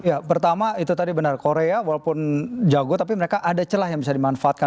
ya pertama itu tadi benar korea walaupun jago tapi mereka ada celah yang bisa dimanfaatkan